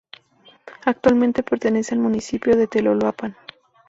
Actualmente pertenece al municipio de Teloloapan.